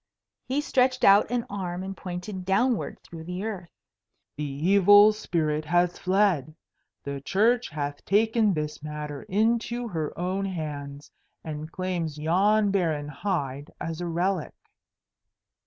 He stretched out an arm and pointed downward through the earth. "The evil spirit has fled. The Church hath taken this matter into her own hands, and claims yon barren hide as a relic."